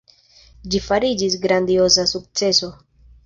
Ĝi fariĝis grandioza sukceso.